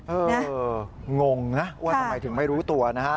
เอองงนะว่าทำไมถึงไม่รู้ตัวนะฮะ